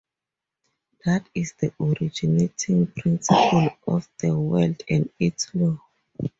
That is the originating principle of the world and its Law.